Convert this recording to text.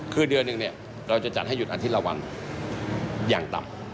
คือเดือนหนึ่งเราจะจัดให้หยุดอาทิตย์ละวันอย่างต่ำ